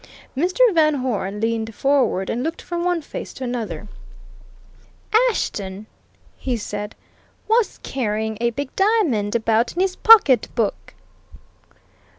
Mr. Van Hoeren leaned forward and looked from one face to another. "Ashton," he said, "was carrying a big diamond about in his pocketbook!"